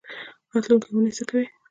راتلونکۍ اونۍ څه کوئ؟